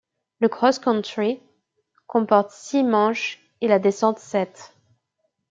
Le cross-country comporte six manches et la descente sept.